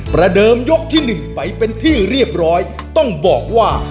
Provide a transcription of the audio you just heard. ประเดิมยกที่๑ไปเป็นที่เรียบร้อยต้องบอกว่า